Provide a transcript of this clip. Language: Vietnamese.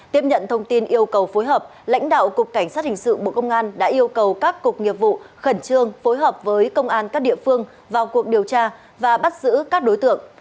tiếp nhận thông tin yêu cầu phối hợp lãnh đạo cục cảnh sát hình sự bộ công an đã yêu cầu các cục nghiệp vụ khẩn trương phối hợp với công an các địa phương vào cuộc điều tra và bắt giữ các đối tượng